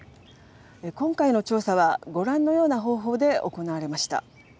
今回の調査は、ご覧のような方法で行われました。